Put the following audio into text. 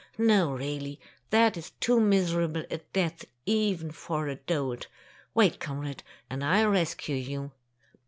No, really, that is too miserable a death even for a dolt! Wait, comrade, and I'll rescue you."